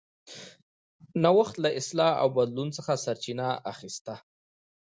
د نوښتونو له اصلاح او بدلون څخه سرچینه اخیسته.